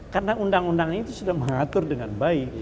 karena undang undang itu sudah mengatur dengan baik